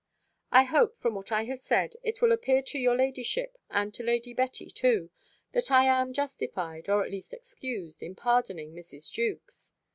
I hope, from what I have said, it will appear to your lady ship, and to Lady Betty too, that I am justified, or at least excused, in pardoning Mrs. Jewkes.